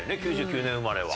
９９年生まれは。